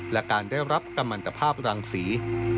และการได้รับกำลังตภาพรังศรี